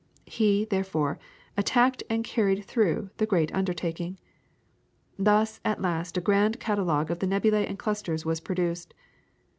He, therefore, attacked and carried through the great undertaking. Thus at last a grand catalogue of nebulae and clusters was produced.